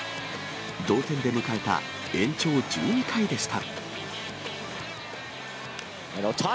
同点で迎えた延長１２回でした。